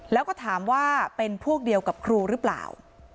แล้วก็ถามว่าเป็นพวกเดียวกับครูหรือเปล่า